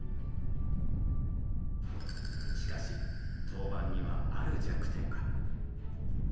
しかし陶板にはある弱点が。